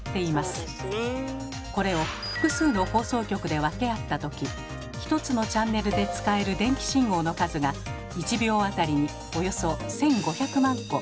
これを複数の放送局で分け合った時１つのチャンネルで使える電気信号の数が１秒当たりにおよそ１，５００万個ということなのです。